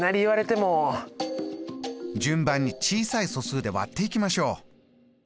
順番に小さい素数で割っていきましょう。